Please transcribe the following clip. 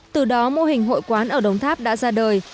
từ đó mô hình hội quán ở đồng tháp đã ra đời